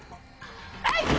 はい！